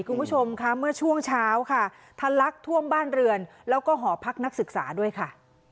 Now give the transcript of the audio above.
คุณผู้ชมค่ะเมื่อช่วงเช้าค่ะทะลักท่วมบ้านเรือนแล้วก็หอพักนักศึกษาด้วยค่ะ